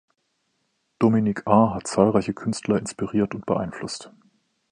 Dominique A hat zahlreiche Künstler inspiriert und beeinflusst.